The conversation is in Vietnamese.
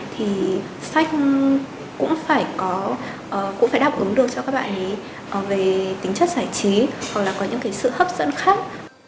thì sách cũng phải đáp ứng được cho các bạn về tính chất giải trí hoặc là có những cái sự hấp dẫn khác